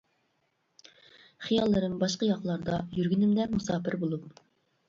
خىياللىرىم باشقا ياقلاردا، يۈرگىنىمدە مۇساپىر بولۇپ.